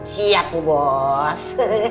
siap bu bos